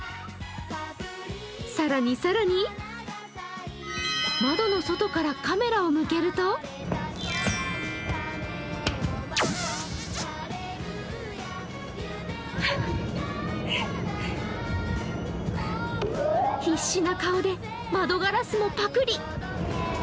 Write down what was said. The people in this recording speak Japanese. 更に更に窓の外からカメラを向けると必死な顔で窓ガラスもパクり。